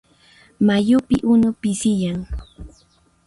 Mayupi unu pisiyan.